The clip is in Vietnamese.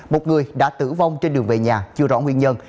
một người đã tử vong trên đường về nhà chưa rõ nguyên nhân